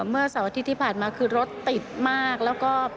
เมื่อเสาร์อาทิตย์ที่ผ่านมาคือรถติดมากแล้วก็